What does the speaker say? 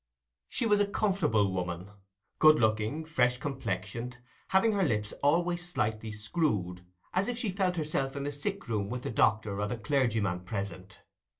She was a "comfortable woman"—good looking, fresh complexioned, having her lips always slightly screwed, as if she felt herself in a sick room with the doctor or the clergyman present.